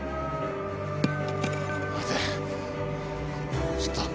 待てちょっと。